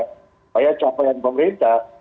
supaya capaian pemerintah